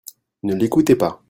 Ne l'écoutez pas !